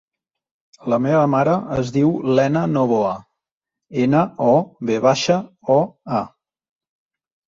La meva mare es diu Lena Novoa: ena, o, ve baixa, o, a.